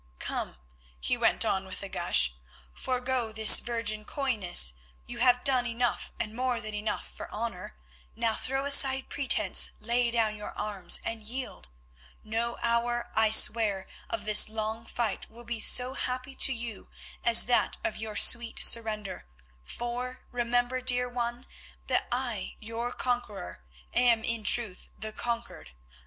"Come," he went on with a gush, "forego this virgin coyness, you have done enough and more than enough for honour, now throw aside pretence, lay down your arms and yield. No hour, I swear, of this long fight will be so happy to you as that of your sweet surrender, for remember, dear one, that I, your conqueror, am in truth the conquered.